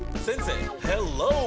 先生！